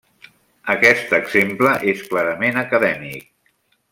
Aquest exemple és clarament acadèmic.